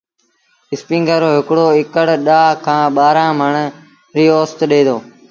اسپيٚنگر رو هڪڙو اڪڙ ڏآه کآݩ ٻآهرآݩ مڻ ريٚ اوست ڏي دو۔